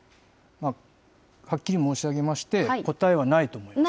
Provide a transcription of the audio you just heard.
はっきり申し上げまして、答えはないと思います。